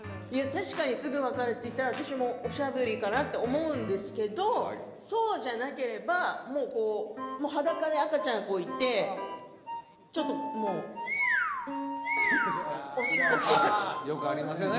確かにすぐ分かるっていったら私もおしゃぶりかなって思うんですけどそうじゃなければもうこう裸で赤ちゃんがいてちょっともうおしっこよくありますよね